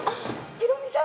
ヒロミさん！